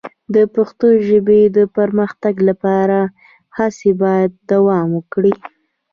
د پښتو ژبې د پرمختګ لپاره هڅې باید دوام وکړي.